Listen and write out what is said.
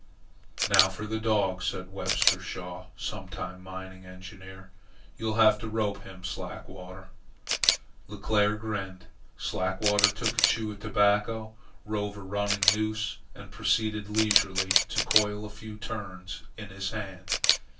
"Now for the dog," said Webster Shaw, sometime mining engineer. "You'll have to rope him, Slackwater." Leclere grinned. Slackwater took a chew of tobacco, rove a running noose, and proceeded leisurely to coil a few turns in his hand.